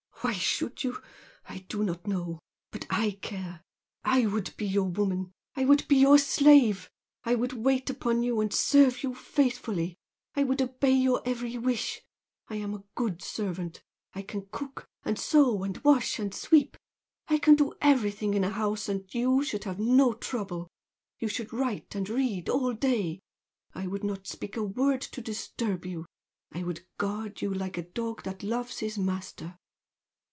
"Why should you? I do not know! But I care! I would be your woman! I would be your slave! I would wait upon you and serve you faithfully! I would obey your every wish. I am a good servant, I can cook and sew and wash and sweep I can do everything in a house and you should have no trouble. You should write and read all day, I would not speak a word to disturb you. I would guard you like a dog that loves his master!"